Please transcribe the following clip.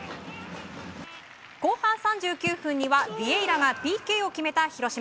後半３９分にはヴィエイラがＰＫを決めた広島。